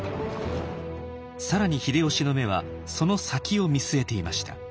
更に秀吉の目はその先を見据えていました。